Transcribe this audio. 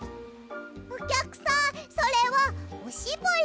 おきゃくさんそれはおしぼり。